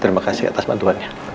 terima kasih atas bantuan ya